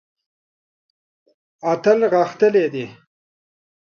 اتل غښتلی دی.